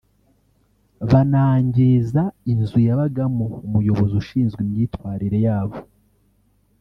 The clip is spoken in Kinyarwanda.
banangiza inzu yabagamo umuyobozi ushinzwe imyitwarire yabo